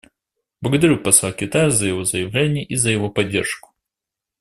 Благодарю посла Китая за его заявление и за его поддержку.